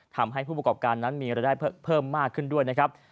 ทำให้ผู้ประกอบการนั้นมีรายได้เพิ่มมากขึ้นด้วยนะครับ